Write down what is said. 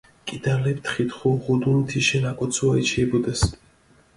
კიდალეფი თხითხუ უღუდუნ თიშენ აკოცუა, იჩიებუდეს.